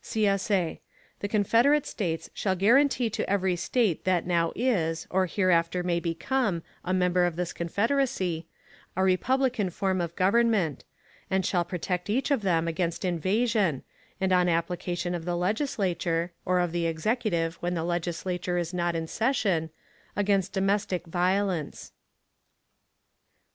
[CSA] The Confederate States shall guarantee to every State that now is, or hereafter may become, a member of this Confederacy, a republican form of government; and shall protect each of them against invasion; and on application of the Legislature (or of the Executive when the Legislature is not in session), against domestic violence.